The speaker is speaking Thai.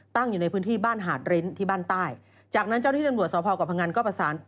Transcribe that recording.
อยู่ในพื้นที่บ้านหาดริ้นที่บ้านใต้จากนั้นเจ้าที่ตำรวจสพกับพังงันก็ประสาน